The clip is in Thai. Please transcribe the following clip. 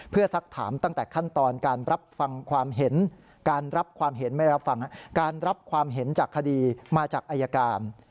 เพื่อสักถามตั้งแต่ขั้นตอนการรับความเห็นจากคดีมาจากอายการ